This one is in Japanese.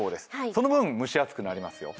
その分、蒸し暑くなりますよ。